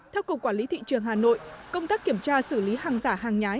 theo cục quản lý thị trường hà nội công tác kiểm tra xử lý hàng giả hàng nhái